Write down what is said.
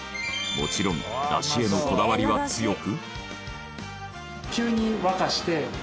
もちろんだしへのこだわりは強く。